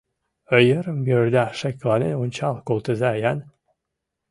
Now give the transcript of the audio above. Йырым-йырда шекланен ончал колтыза-ян!